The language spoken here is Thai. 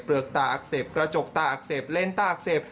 กตาอักเสบกระจกตาอักเสบเล่นตาอักเสบ